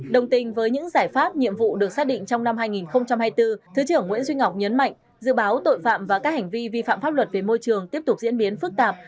đồng tình với những giải pháp nhiệm vụ được xác định trong năm hai nghìn hai mươi bốn thứ trưởng nguyễn duy ngọc nhấn mạnh dự báo tội phạm và các hành vi vi phạm pháp luật về môi trường tiếp tục diễn biến phức tạp